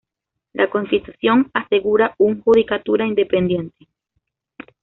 La constitución asegura un judicatura independiente.